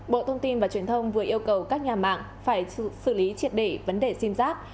bộ thông tin và truyền thông vừa yêu cầu các nhà mạng phải xử lý triệt để vấn đề sim giác